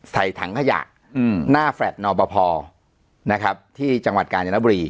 ใส่ถังขยะอืมหน้าแฟลปนอบพอร์นะครับที่จังหวัดกาญญาณบุรี